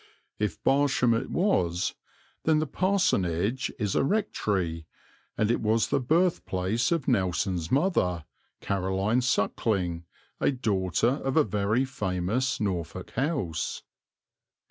If Barsham it was, then the parsonage is a rectory, and it was the birthplace of Nelson's mother, Caroline Suckling, a daughter of a very famous Norfolk House.